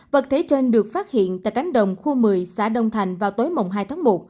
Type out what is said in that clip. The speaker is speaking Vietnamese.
vật thể trên được phát hiện tại cánh đồng khu một mươi xã đông thành vào tối mùng hai tháng một